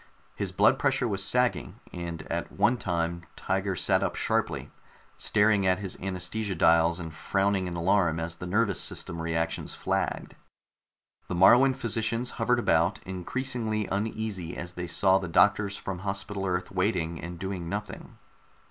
His blood pressure was sagging, and at one time Tiger sat up sharply, staring at his anaesthesia dials and frowning in alarm as the nervous system reactions flagged. The Moruan physicians hovered about, increasingly uneasy as they saw the doctors from Hospital Earth waiting and doing nothing.